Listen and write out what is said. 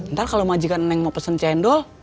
ntar kalau majikan neng mau pesen cendol